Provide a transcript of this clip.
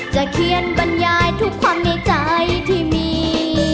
เขียนบรรยายทุกความในใจที่มี